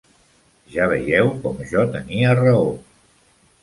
Ja veieu com jo tenia raó.